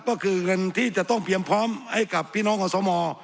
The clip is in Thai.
ก็คือเงินที่จะต้องเตรียมพร้อมให้กับพี่น้องขอสม